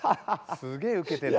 すげえウケてるな。